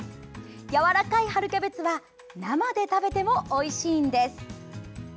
やわらかい春キャベツは生で食べてもおいしいんです。